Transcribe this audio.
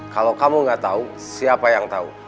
kalau kamu nggak tahu siapa yang tahu